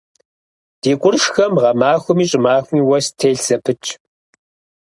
Ди къуршхэм гъэмахуэми щӏымахуэми уэс телъ зэпытщ.